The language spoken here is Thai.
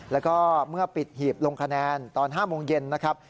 แล้วก็เมื่อปิดหีบลงคะแนนตอน๕โมงเย็นนะครับ